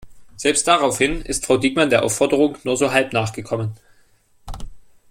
Selbst daraufhin ist Frau Diekmann der Aufforderung nur so halb nachgekommen.